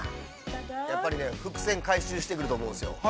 ◆やっぱり、伏線回収してくると思うんですよ。